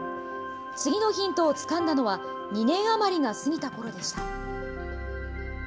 次のヒントをつかんだのは、２年余りが過ぎたころでした。